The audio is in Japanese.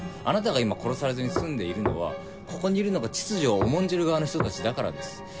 あなたが今殺されずに済んでいるのはここにいるのが秩序を重んじる側の人たちだからです。